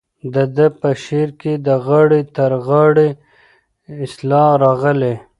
د ده په شعر کې د غاړې تر غاړې اصطلاح راغلې.